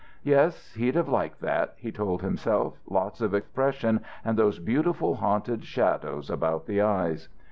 "Yes, he'd have liked that," he told himself. "Lots of expression and those beautiful haunted shadows about the eyes."